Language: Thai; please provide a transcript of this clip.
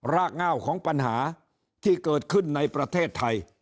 รากเง่าของปัญหาที่เกิดขึ้นในประเทศไทย